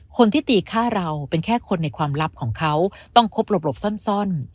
คนที่ตีฆ่าเราเป็นแค่คนในความลับของเขาต้องคบหลบซ่อน